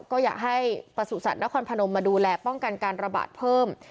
ก็อยากให้ประสุทธิ์นครพนมมาดูแลป้องกันการระบาดเพิ่ม